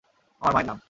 আমার মায়ের নাম।